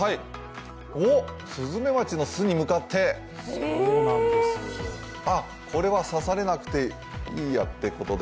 おっ、スズメバチの巣に向かってこれは刺されなくていいやってことで。